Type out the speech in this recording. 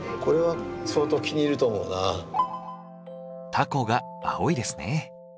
タコが青いですね。